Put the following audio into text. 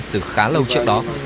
từ khá lâu trước đó